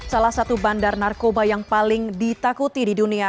salah satu bandar narkoba yang paling ditakuti di dunia